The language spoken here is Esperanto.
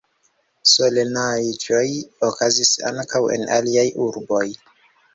Solenaĵoj okazis ankaŭ en aliaj urboj.